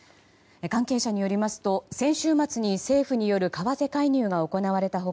関係者によりますと先週末に政府による為替介入が行われた他